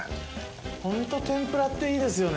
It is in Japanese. ホント天ぷらっていいですよね。